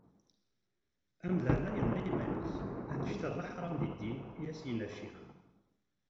Amdan-a yenɣa iman-is, annect-a d leḥram deg ddin, i as-yenna ccix.